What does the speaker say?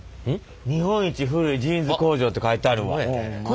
「日本一古いジーンズ工場」って書いてあるわ。